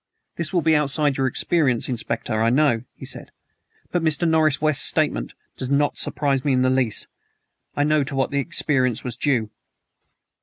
"This will be outside your experience, Inspector, I know," he said, "but Mr. Norris West's statement does not surprise me in the least. I know to what the experience was due."